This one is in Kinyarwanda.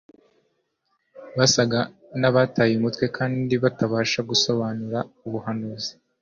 basaga n'abataye umutwe, kandi batabasha gusobanura ubuhanuzi